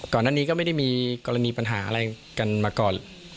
ก่อนหน้านี้ก็ไม่ได้มีกรณีปัญหาอะไรกันมาก่อน